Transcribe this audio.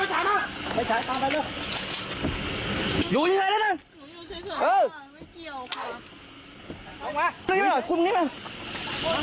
อยู่อยู่ในนั้นอยู่อยู่เฉยเฉยเออไม่เกี่ยวค่ะออกมาลุยไปหน่อยคุณมึงนี้มา